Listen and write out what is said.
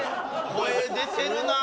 声出てるなぁ。